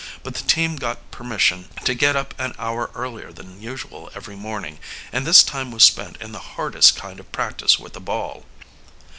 But the team got permission to get up an hour earlier than usual every morning, and this time was spent in the hardest kind of practice with the ball.